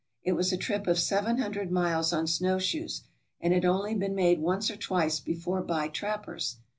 It was a trip of seven hundred miles on snowshoes, and had only been made once or twice before by trappers.